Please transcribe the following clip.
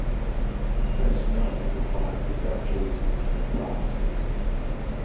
Best known are the five "Didaches" and the "Prophecies".